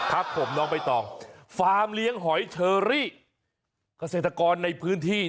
ครับผมน้องไปต่อฟาร์มเลี้ยงหอยเชอรี่กระเศรษฐกรในพื้นที่